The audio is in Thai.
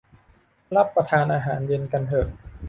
รับประทานอาหารเย็นกันเถอะ